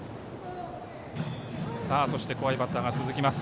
そして怖いバッター続きます。